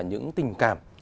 những tình cảm